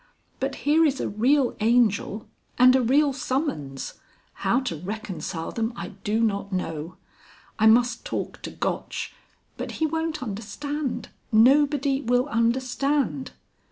But here is a real Angel and a real summons how to reconcile them I do not know. I must talk to Gotch.... But he won't understand. Nobody will understand...."